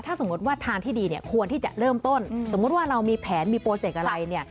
ถ้าสมมุติว่าทางที่ดีเนี่ยควรที่จะเริ่มต้นสมมุติว่าเรามีแผนมีโปรเจกต์อะไรเนี่ย